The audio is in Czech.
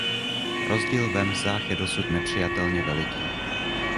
Rozdíl ve mzdách je dosud nepřijatelně veliký.